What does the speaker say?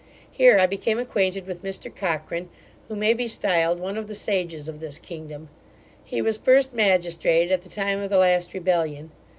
Here I became acquainted with Mr Cochran, who may be stiled one of the sages of this kingdom. He was first magistrate at the time of the last rebellion.